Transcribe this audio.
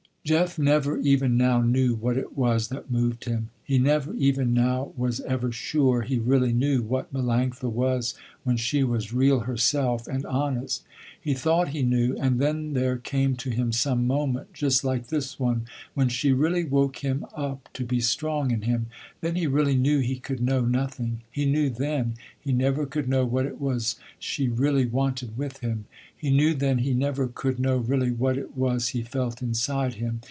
Jeff never, even now, knew what it was that moved him. He never, even now, was ever sure, he really knew what Melanctha was, when she was real herself, and honest. He thought he knew, and then there came to him some moment, just like this one, when she really woke him up to be strong in him. Then he really knew he could know nothing. He knew then, he never could know what it was she really wanted with him. He knew then he never could know really what it was he felt inside him.